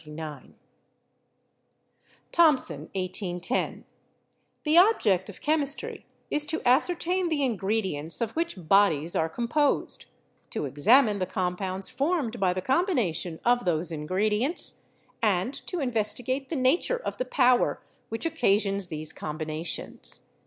"The object of chemistry is to THE CHEMICAL CONCEPTION 5 ascertain the ingredients of which bodies are com posed ; to examine the compounds formed by the com bination of those ingredients; and to investigate the nature of the power which occasions these combina tions."